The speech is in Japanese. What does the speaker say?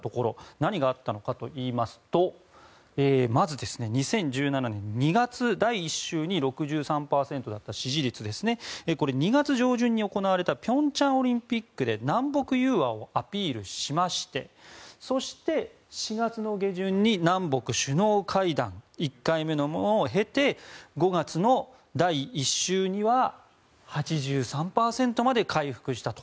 何があったのかといいますとまず、２０１７年２月第１週に６３％だった支持率これ、２月上旬に行われた平昌オリンピックで南北融和をアピールしましてそして、４月の下旬に南北首脳会談１回目のものを経て５月の第１週には８３％まで回復したと。